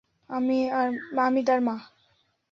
আমি তার মা।